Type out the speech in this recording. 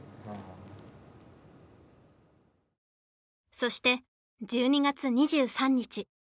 そして１２月２３日